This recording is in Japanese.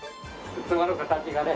器の形がね